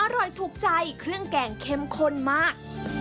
ถูกใจเครื่องแกงเข้มข้นมาก